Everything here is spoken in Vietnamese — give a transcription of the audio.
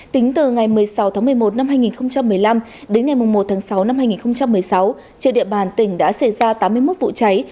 tính từ ngày một mươi sáu tháng một mươi một năm hai nghìn một mươi năm đến ngày một tháng sáu năm hai nghìn một mươi sáu trên địa bàn tỉnh đã xảy ra tám mươi một vụ cháy